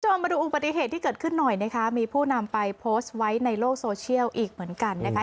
มาดูอุบัติเหตุที่เกิดขึ้นหน่อยนะคะมีผู้นำไปโพสต์ไว้ในโลกโซเชียลอีกเหมือนกันนะคะ